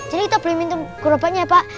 jadi kita boleh minta gerobaknya ya pak